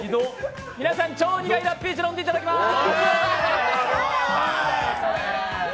皆さん，超苦いラッピー茶飲んでいただきます。